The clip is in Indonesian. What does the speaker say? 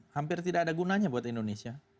hampir tidak ada gunanya buat indonesia